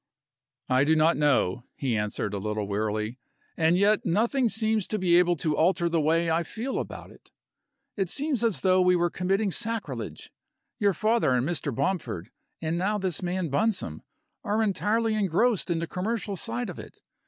"I do not know," he answered, a little wearily, "and yet nothing seems to be able to alter the way I feel about it. It seems as though we were committing sacrilege. Your father and Mr. Bomford, and now this man Bunsome, are entirely engrossed in the commercial side of it.